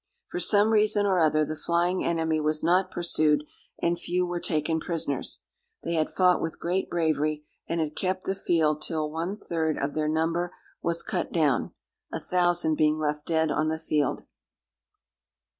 For some reason or other, the flying enemy was not pursued, and few were taken prisoners. They had fought with great bravery, and had kept the field till one third of their number was cut down—a thousand being left dead on the field.